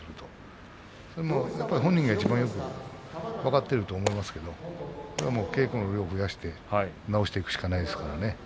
本人がいちばんよく分かっていると思いますけど稽古の量を増やして直していくしかないですからね。